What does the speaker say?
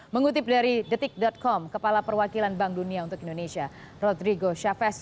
mengutip dari detik com kepala perwakilan bank dunia untuk indonesia rodrigo chavez